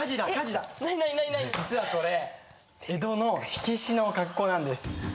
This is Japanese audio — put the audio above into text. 実はこれ江戸の火消しの格好なんです。